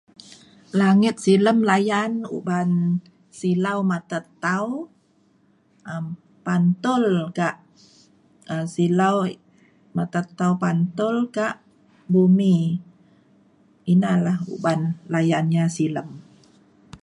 langit silem layan uban silau mata tau um pantul ka um silau mata tau pantul ka bumi. ina lah uban layan ia' silem